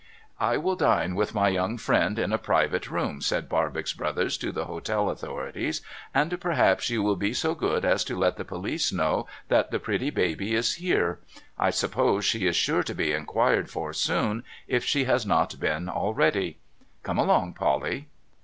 ' I will dine with my young friend in a private room,' said Barbox Brothers to the hotel authorities, ' and perhaps you will be so good as to let the police know that the pretty baby is here. I suppose she is sure to be inquired for soon, if she has not been already. Come along, Polly.'